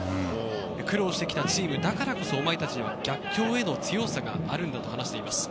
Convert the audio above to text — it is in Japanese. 苦労してきたチームだからこそ、お前たちは逆境への強さがあるんだと話しています。